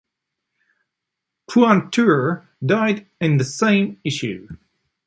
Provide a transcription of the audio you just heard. Puanteur died in the same issue.